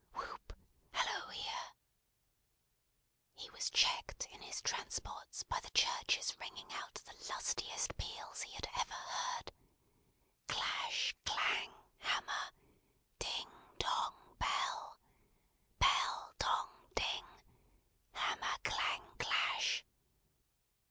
Whoop! Hallo here!" He was checked in his transports by the churches ringing out the lustiest peals he had ever heard. Clash, clang, hammer; ding, dong, bell. Bell, dong, ding; hammer, clang, clash!